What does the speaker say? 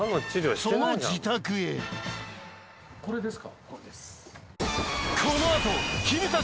その自宅へこれです